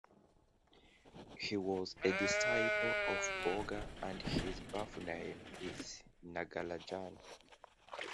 He was a disciple of Bogar and his birth name is Nagarajan.